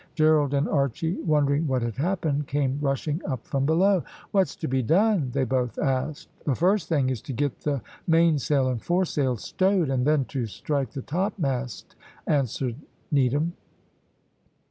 Gerald and Archy wondering what had happened, came rushing up from below. "What's to be done?" they both asked. "The first thing is to get the mainsail and foresail stowed, and then to strike the topmast," answered Needham.